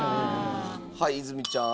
はい泉ちゃん。